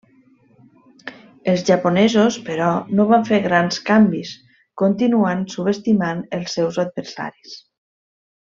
Els japonesos, però, no van fer grans canvis, continuant subestimant els seus adversaris.